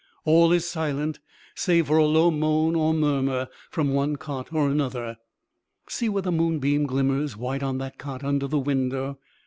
All is silent, save for a low moan or murmur from one cot or another. See where the moonbeam glimmers white on that cot under the window!